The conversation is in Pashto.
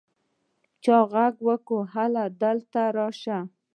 يو چا ږغ وکړ هلئ دلته راسئ.